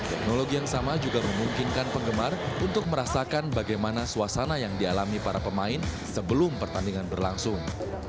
teknologi yang sama juga memungkinkan penggemar untuk merasakan bagaimana suasana yang dialami para pemain sebelum pertandingan berlangsung